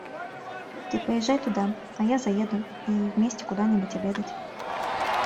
Ты поезжай туда, а я заеду, и вместе куда-нибудь обедать.